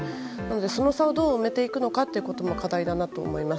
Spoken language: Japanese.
その差をどう埋めていくのかも課題だと思います。